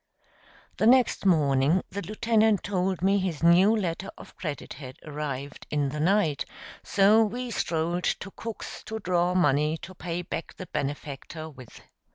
The next morning the lieutenant told me his new letter of credit had arrived in the night, so we strolled to Cook's to draw money to pay back the benefactor with.